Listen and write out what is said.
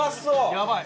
やばい！